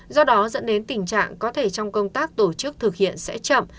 do đó dẫn đến tình trạng có thể trong công tác tổ chức thực hiện sẽ chậm